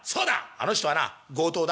「あの人はな強盗だ」。